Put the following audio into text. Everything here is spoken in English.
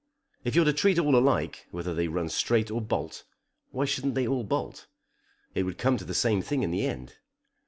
If you're to treat all alike, whether they run straight or bolt, why shouldn't they all bolt? It would come to the same thing in the end.